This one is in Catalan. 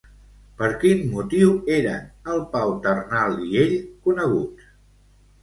Per quin motiu eren el Pau Ternal i ell coneguts?